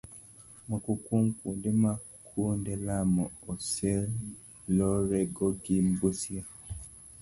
Moko kuom kuonde ma kuonde lamo oselorego gin Busia,